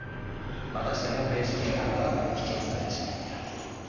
またしてもベーシックインカムは否決されてしまったんだ。